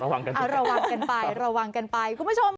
ระวังกันไประวังกันไป